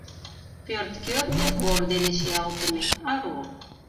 Пӧрт кӧргӧ пор дене чиялтыме, ару.